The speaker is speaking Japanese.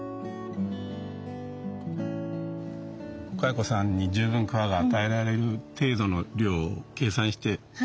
蚕さんに十分桑が与えられる程度の量を計算して切っていきます。